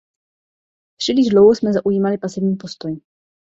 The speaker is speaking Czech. Příliš dlouho jsme zaujímali pasivní postoj.